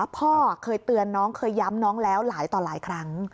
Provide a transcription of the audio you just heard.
พ่อเคยเตือนน้องเคยย้ำน้องแล้วหลายต่อหลายครั้ง